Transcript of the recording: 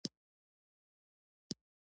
ناڅاپه مې د زړه بوخڅه په پرانيستل شوه.